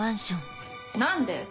何で？